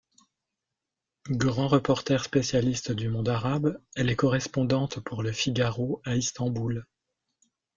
Grand reporter spécialiste du monde arabe, elle est correspondante pour le Figaro à Istanbul’’.